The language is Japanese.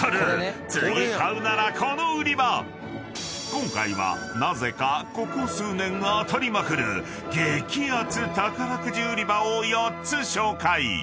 ［今回はなぜかここ数年当たりまくる激アツ宝くじ売り場を４つ紹介］